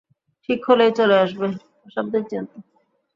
ঠিক হলেই চলে আসবে।